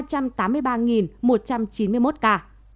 hà tĩnh tăng một trăm chín mươi một ca